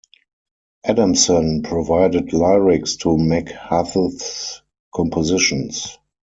Adamson provided lyrics to McHugh's compositions.